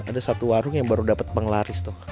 ada satu warung yang baru dapat penglaris tuh